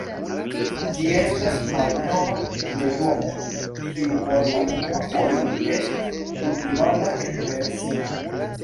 Ĝi estas malnova legomo kiu por la unua fojo estis kultivata en Persio.